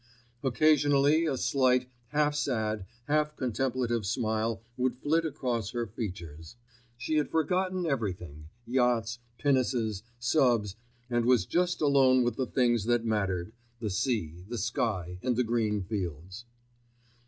Occasionally a slight, half sad, half contemplative smile would flit across her features. She had forgotten everything—yachts, pinnaces, subs, and was just alone with the things that mattered, the sea, the sky, and the green fields.